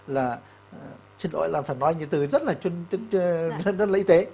là xin lỗi là phải nói những từ rất là trân trân